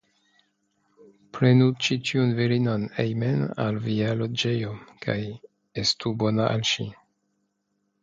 Prenu ĉi tiun virinon hejmen al via loĝejo, kaj estu bona al ŝi.